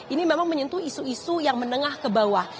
ini memang menyentuh isu isu yang menengah ke bawah